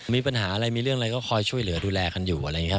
มีปัญหาอะไรมีเรื่องอะไรก็คอยช่วยเหลือดูแลกันอยู่